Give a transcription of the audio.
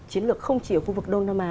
chiến lược không chỉ ở khu vực đông nam á